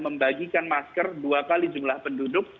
membagikan masker dua kali jumlah penduduk